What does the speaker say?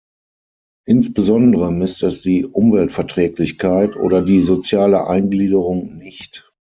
Insbesondere misst es die Umweltverträglichkeit oder die soziale Eingliederung nicht.